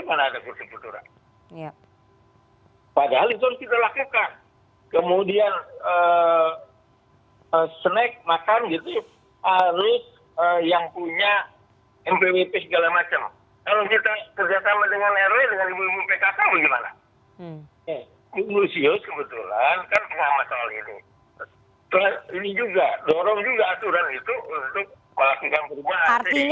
mpwp dki mengundang mendagri